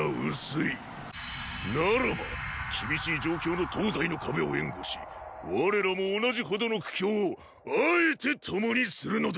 ならば厳しい状況の東西の壁を援護し我らも同じほどの苦境をあえて共にするのだ。